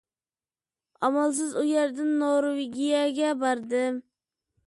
ئامالسىز ئۇ يەردىن نورۋېگىيەگە باردىم.